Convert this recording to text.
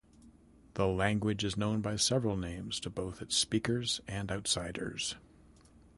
The language is known by several names to both its speakers and outsiders.